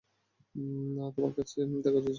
তোমার তার সাথে থাকা উচিত ছিল?